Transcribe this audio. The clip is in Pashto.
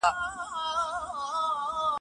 نن ماښام زهرې ته مخامخ بهرام دی